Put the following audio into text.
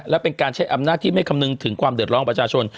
และเป็นการใช้อำนาจที่ไม่คำนึงถึงความเดือดร้อนประชาชน